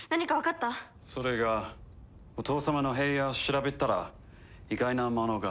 それがお父様の部屋を調べたら意外なものが。